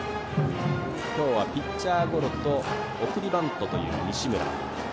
今日はピッチャーゴロと送りバントという西村。